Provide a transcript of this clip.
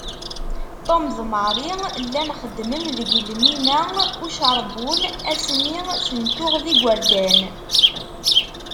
Tom d Marie llan xeddmen deg lmina ucerbun asmi ten-tuɣ d igerdan.